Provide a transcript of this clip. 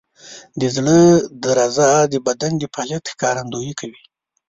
د زړه درزا د بدن د فعالیت ښکارندویي کوي.